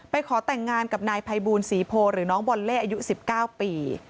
ขอแต่งงานกับนายภัยบูลศรีโพหรือน้องบอลเล่อายุ๑๙ปี